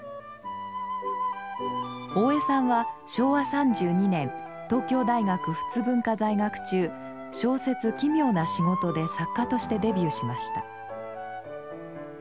大江さんは昭和３２年東京大学仏文科在学中小説「奇妙な仕事」で作家としてデビューしました。